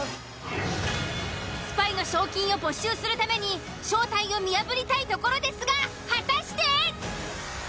スパイの賞金を没収するために正体を見破りたいところですが果たして！？